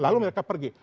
lalu mereka pergi